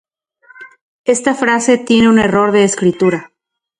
Ken namejuan, xikintlamakakan ika ueyi tlakauali.